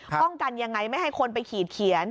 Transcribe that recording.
ป้องกันยังไงไม่ให้คนไปขีดเขียน